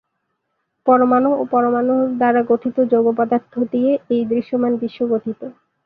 পরমাণু ও পরমাণু দ্বারা গঠিত যৌগ পদার্থ দিয়ে এই দৃশ্যমান বিশ্ব গঠিত।